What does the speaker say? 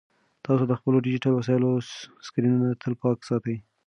تاسو د خپلو ډیجیټل وسایلو سکرینونه تل پاک ساتئ.